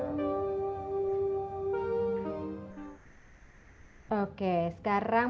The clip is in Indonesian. pertanyaan terakhir apakah pki menjadi dilema